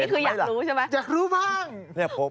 นี่คืออยากรู้ใช่ไหมมาก